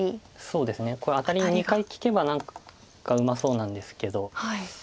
そうですねこれアタリ２回利けば何かうまそうなんですけど。